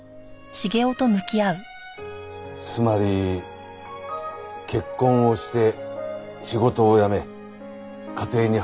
つまり結婚をして仕事を辞め家庭に入るという事だな？